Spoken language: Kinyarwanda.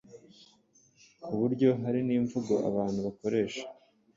ku buryo hari n’imvugo abantu bakoresha